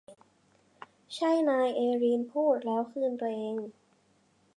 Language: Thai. ใช่นายเอลีนพูดแล้วคืนตัวเอง